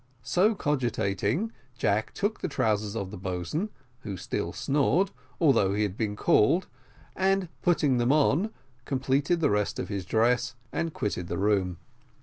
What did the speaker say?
So cogitating, Jack took the trousers of the boatswain, who still snored, although he had been called, and, putting them on, completed the rest of his dress, and quitted the room.